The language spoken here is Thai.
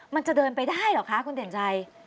มันจะเดินไปได้เหรอคะคุณเด่นชัย